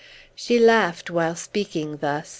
She laughed, while speaking thus.